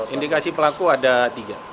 indikasi pelaku ada tiga